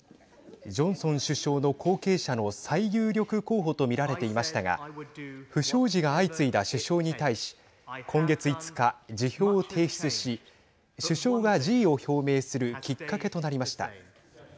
ジョンソン首相の後継者の最有力候補と見られていましたが不祥事が相次いだ首相に対し今月５日、辞表を提出し首相が辞意を表明するきっかけとなりました。